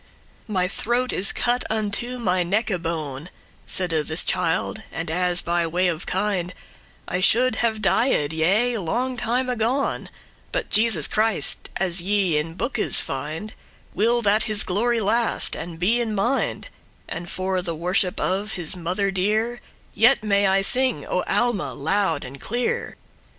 "My throat is cut unto my necke bone," Saide this child, "and, as *by way of kind,* *in course of nature* I should have died, yea long time agone; But Jesus Christ, as ye in bookes find, Will that his glory last and be in mind; And, for the worship* of his mother dear, *glory Yet may I sing O Alma loud and clear.